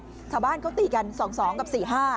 ชาวบ้านเขาตีกัน๒๒กับ๔๕